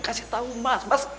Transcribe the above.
kasih tahu mas